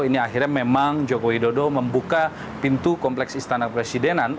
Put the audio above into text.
ini akhirnya memang joko widodo membuka pintu kompleks istana presidenan